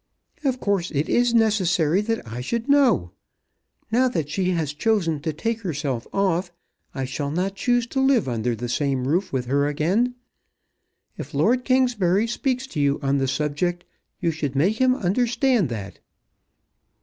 "Of course it is necessary that I should know. Now that she has chosen to take herself off I shall not choose to live under the same roof with her again. If Lord Kingsbury speaks to you on the subject you should make him understand that."